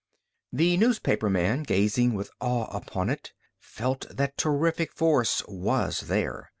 The newspaperman, gazing with awe upon it, felt that terrific force was there.